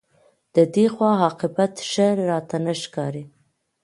د دې غوا عاقبت ښه نه راته ښکاري